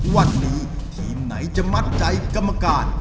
วันนี้ทีมไหนจะมัดใจกรรมการ